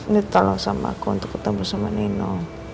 ditolong sama aku untuk ketemu sama nino